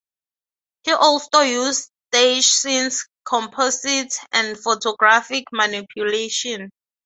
He also used staged scenes, composites and photographic manipulation.